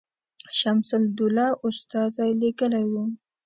شمس الدوله استازی لېږلی وو.